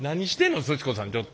すち子さんちょっと。